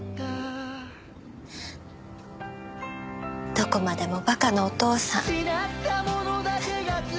どこまでも馬鹿なお父さん。